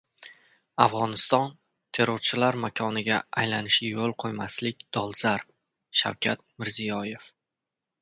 Afg‘oniston terrorchilar makoniga aylanishiga yo‘l qo‘ymaslik dolzarb- Shavkat Mirziyoyev